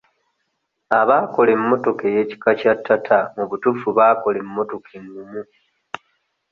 Abaakola emmotoka ey'ekika kya Tata mu butuufu baakola emmotoka engumu.